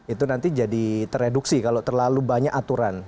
itu nanti jadi tereduksi kalau terlalu banyak aturan